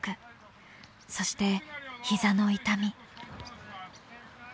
そして膝の痛み。